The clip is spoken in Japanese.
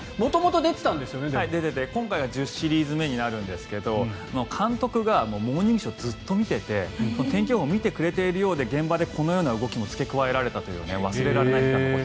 今回は１０シリーズ目になるんですけど監督が「モーニングショー」をずっと見ていて天気予報を見てくれているようで現場でこの動きも付け加えられたという。